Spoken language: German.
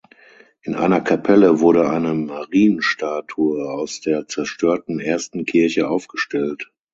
In einer Kapelle wurde eine Marienstatue aus der zerstörten ersten Kirche aufgestellt.